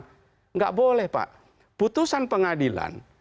tidak boleh pak putusan pengadilan